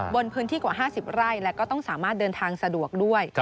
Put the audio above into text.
บนพื้นที่กว่า๕๐ไร่และก็ต้องสามารถเดินทางสะดวกด้วย